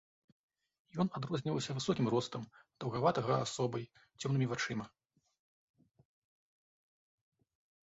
Ён адрозніваўся высокім ростам, даўгаватага асобай, цёмнымі вачыма.